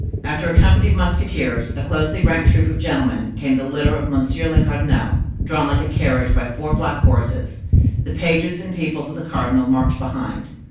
After a company of musketeers, a closely ranked troop of gentlemen, came the litter of monsieur le cardinal, drawn like a carriage by four black horses. The pages and people of the cardinal marched behind.